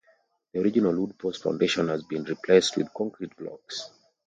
The original wood post foundation has been replaced with concrete blocks.